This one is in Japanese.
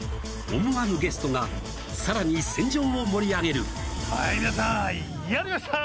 思わぬゲストがさらに船上を盛り上げるはい皆さん！